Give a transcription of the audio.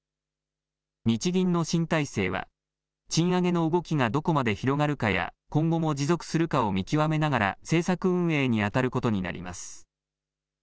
日銀の新体制は賃上げの動きがどこまで広がるかや今後も持続するかを見極めながら政策運営にあたることになります。